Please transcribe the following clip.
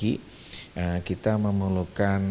dari kita ingrongin lumang enam rupiah